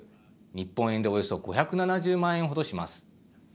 日本円でおよそ５７０万円程します。